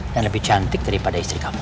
dan lebih cantik daripada istri kamu